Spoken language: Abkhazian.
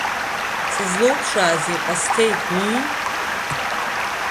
Сызлоуԥшаазеи, Ҟасҭеи, ыы?